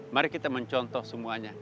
mari kita mencontoh semuanya